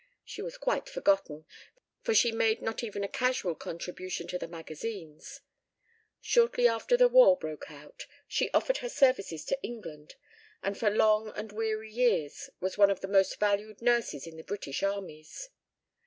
She was quite forgotten, for she made not even a casual contribution to the magazines; shortly after the war broke out she offered her services to England and for long and weary years was one of the most valued nurses in the British armies.